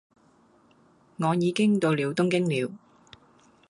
我已經到了東京了，